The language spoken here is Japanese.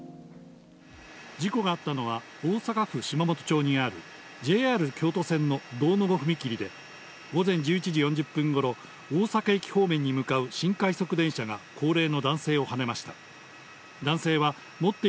事故があったのは、大阪府島本町にあるＪＲ京都線の堂の後踏切で、午前１１時４０分ごろ、大阪駅方面に向かう新快速電車が、高齢の男性をはねました。